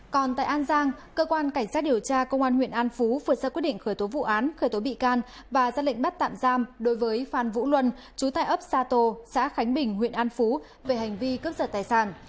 còn tại an giang cơ quan cảnh sát điều tra công an huyện an phú vừa ra quyết định khởi tố vụ án khởi tố bị can và ra lệnh bắt tạm giam đối với phan vũ luân chú tại ấp sa tô xã khánh bình huyện an phú về hành vi cướp giật tài sản